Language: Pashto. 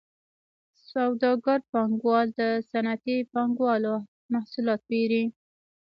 سوداګر پانګوال د صنعتي پانګوالو محصولات پېري